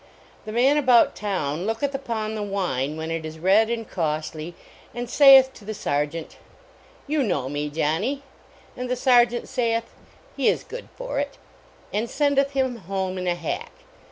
The man about town looketh upon the wine when it is red and costly, and sayeth to the sergeant, "You know me, Johnny," and the sergeant sayeth, "He is good for it," and sendeth him home in a hack.